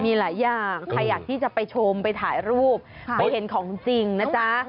ใครอยากที่จะไปชมไปถ่ายรูปไปเห็นของจริงนะจ๊ะ